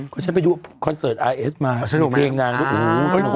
ก็จะไปดูคอนเสิร์ตอาร์เอสมามีเพลงด้านนั้น